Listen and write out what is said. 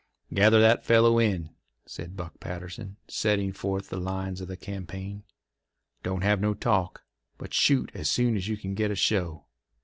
"Gather that fellow in," said Buck Patterson, setting forth the lines of the campaign. "Don't have no talk, but shoot as soon as you can get a show.